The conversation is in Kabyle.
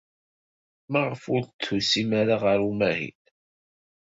Maɣef ur d-tusim ara ɣer umahil?